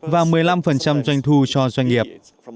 và một mươi năm doanh thu cho doanh nghiệp